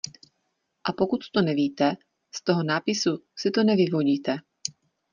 A pokud to nevíte, z toho nápisu si to nevyvodíte.